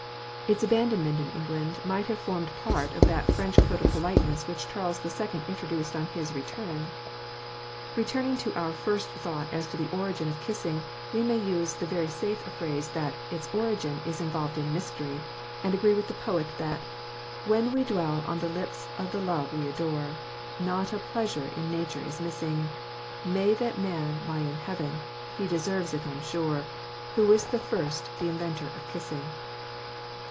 Its abandonment in England might have formed part of that French code of politeness which Charles II introduced on his return. Returning to our first thought as to the origin of Kissing, we may use the very safe phrase that "its origin is involved in mystery," and agree with the poet that When we dwell on the lips of the love we adore, Not a pleasure in nature is missing May that man lie in Heaven—he deserves it I'm sure Who was first the inventor of kissing.